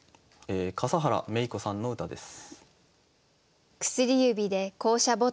笠原明子さんの歌です。